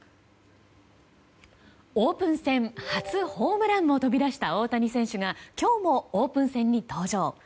オープン戦初ホームランが飛び出した大谷選手が今日もオープン戦に登場。